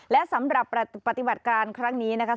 และสำหรับปฏิบัติการครั้งนี้นะคะ